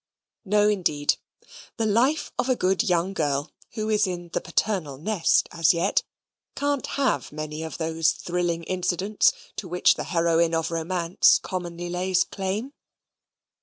No, indeed; the life of a good young girl who is in the paternal nest as yet, can't have many of those thrilling incidents to which the heroine of romance commonly lays claim.